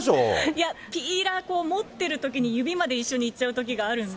いや、ピーラー持ってるときに指まで一緒にいっちゃうときがあるんで。